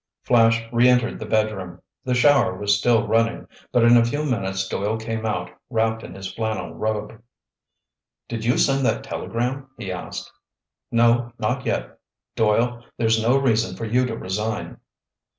Flash re entered the bedroom. The shower was still running, but in a few minutes Doyle came out, wrapped in his flannel robe. "Did you send that telegram?" he asked. "No, not yet. Doyle, there's no reason for you to resign."